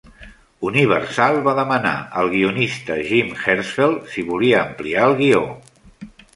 Universal va demanar al guionista Jim Herzfeld si volia ampliar el guió.